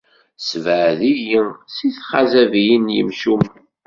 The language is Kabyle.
Ssebɛed-iyi si txazabiyin n yimcumen.